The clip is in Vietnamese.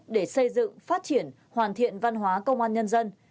để xây dựng phát triển hoàn thiện văn hóa công an nhân dân